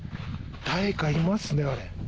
誰かいますねあれ。